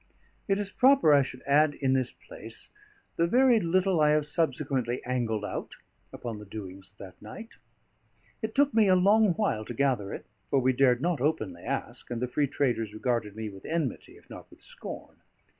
It is proper I should add in this place the very little I have subsequently angled out upon the doings of that night. It took me a long while to gather it; for we dared not openly ask, and the free traders regarded me with enmity, if not with scorn.